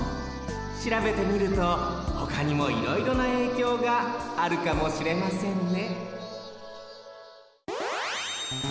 しらべてみるとほかにもいろいろなえいきょうがあるかもしれませんね